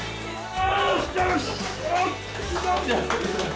よし！